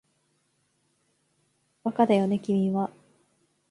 バカだよね君は